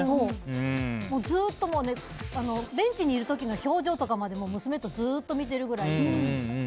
ずっと、ベンチにいる時の表情とかまで娘とずっと見ているぐらい。